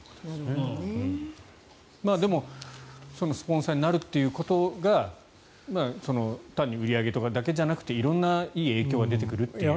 でもスポンサーになるということが単に売り上げとかだけじゃなくて色々ないい影響が出てくるという。